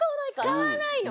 使わないの！